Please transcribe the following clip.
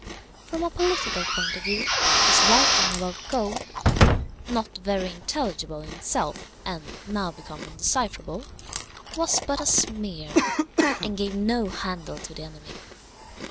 From a political point of view, his writing about gold, not very intelligible in itself, and now become undecipherable, was but a smear, and gave no handle to the enemy.